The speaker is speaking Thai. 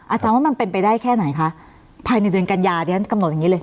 อาจารย์ว่ามันเป็นไปได้แค่ไหนคะภายในเดือนกัญญาเรียนกำหนดอย่างนี้เลย